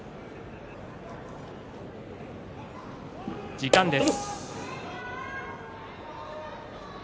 時間です。